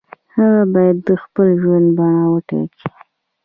هغه باید د خپل ژوند بڼه وټاکي.